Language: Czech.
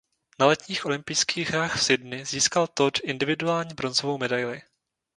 Na Letních olympijských hrách v Sydney získal Todd individuální bronzovou medaili.